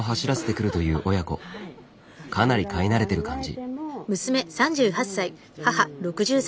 かなり買い慣れてる感じ。